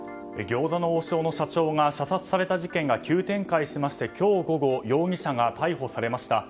餃子の王将の社長が射殺された事件が急展開しまして今日午後、容疑者が逮捕されました。